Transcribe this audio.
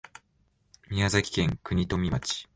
宮崎県国富町